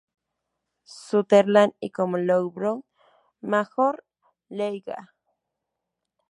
Sutherland, y como Lou Brown "Major League".